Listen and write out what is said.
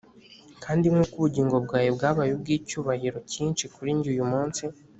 kandi nk’uko ubugingo bwawe bwabaye ubw’icyubahiro cyinshi kuri jye uyu munsi